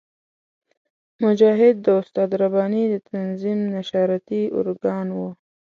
مجاهد د استاد رباني د تنظیم نشراتي ارګان وو.